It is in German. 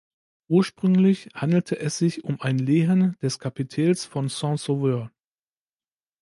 Ursprünglich handelte es sich um ein Lehen des Kapitels von Saint-Sauveur.